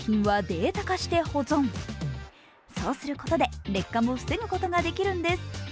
そうすることで劣化も防ぐことができるんです。